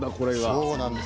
そうなんです。